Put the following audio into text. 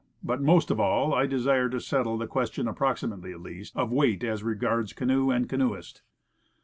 But, most of all, I desired to settle the question approximately at least of weighty as regards canoe and canoeist.